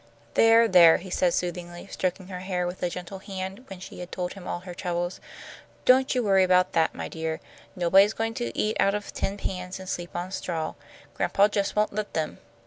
"There, there," he said, soothingly, stroking her hair with a gentle hand, when she had told him all her troubles. "Don't you worry about that, my dear. Nobody is going to eat out of tin pans and sleep on straw. Grandpa just won't let them."